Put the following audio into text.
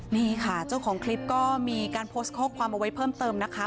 นี่ค่ะเจ้าของคลิปก็มีการโพสต์ข้อความเอาไว้เพิ่มเติมนะคะ